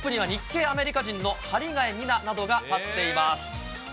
トップには日系アメリカ人の張替美那などが立っています。